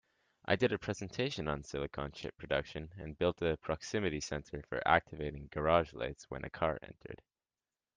I did a presentation on silicon chip production and built a proximity sensor for activating garage lights when a car entered.